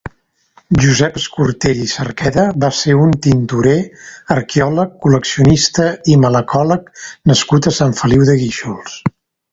Josep Escortell i Cerqueda va ser un tintorer, aqueòleg, col·leccionista i malacóleg nascut a Sant Feliu de Guíxols.